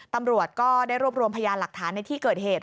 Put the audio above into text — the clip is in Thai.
ตำรวจก็ได้รวบรวมพยานหลักฐานในที่เกิดเหตุ